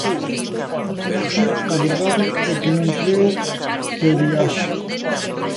Por ocio a verdade é que non creo que viaxe.